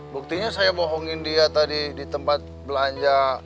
buktinya saya bohongin dia tadi di tempat belanja